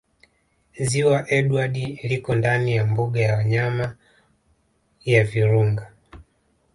Ziwa Edward liko ndani ya Mbuga ya wanyama ya Virunga